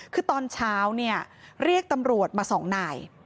คือตอนเช้าเนี่ยเรียกตำรวจมา๒นาย